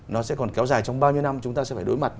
nó sẽ còn kéo dài trong bao nhiêu năm chúng ta sẽ phải đối mặt